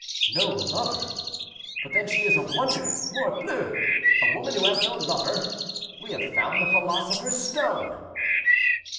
"No lover! But then she is a wonder; morbleu! a woman who has no lover! we have found the philosopher's stone."